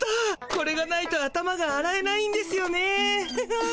これがないと頭があらえないんですよね。